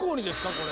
これ。